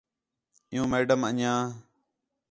عِیّوں میڈم انڄیاں